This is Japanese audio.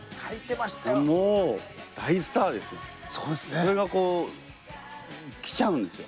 それがこう来ちゃうんですよ。